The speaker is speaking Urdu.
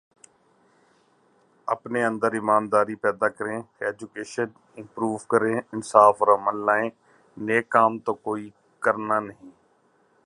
اپنے اندر ایمانداری پیدا کریں، ایجوکیشن امپروو کریں، انصاف اور امن لائیں، نیک کام تو کوئی کرنا نہیں